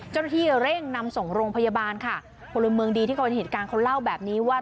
เจ้าหน้าที่เร่งนำส่งโรงพยาบาลค่ะพลเมืองดีที่เขาเห็นเหตุการณ์เขาเล่าแบบนี้ว่า